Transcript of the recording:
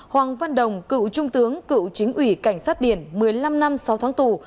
hoàng văn đồng cựu trung tướng cựu chính ủy cảnh sát biển một mươi năm năm sáu tháng tù